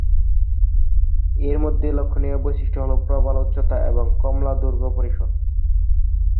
এর মধ্যে লক্ষণীয় বিশিষ্ট হলো প্রবাল উচ্চতা এবং কমলা দুর্গ পরিসর।